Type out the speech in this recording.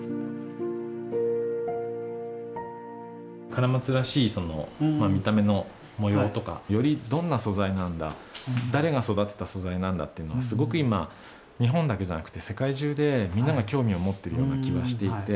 カラマツらしい見た目の模様とかよりどんな素材なんだ誰が育てた素材なんだっていうのがすごく今日本だけじゃなくて世界中でみんなが興味を持ってるような気はしていて。